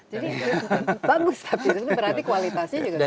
jadi bagus tapi berarti kualitasnya juga sudah